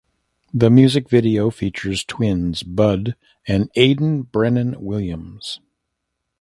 The music video features twins Bud and Aidan Brennan Williams.